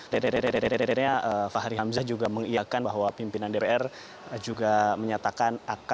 dan akhirnya fahri hamzah juga mengiakan bahwa pimpinan dpr juga menyatakan